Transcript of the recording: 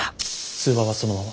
通話はそのまま。